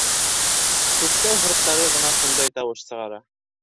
Күктау һырттары ғына шундай тауыш сығара.